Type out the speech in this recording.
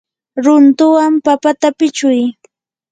runtuwan papata pichuy.